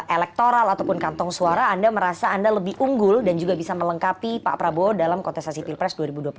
elektoral ataupun kantong suara anda merasa anda lebih unggul dan juga bisa melengkapi pak prabowo dalam kontestasi pilpres dua ribu dua puluh empat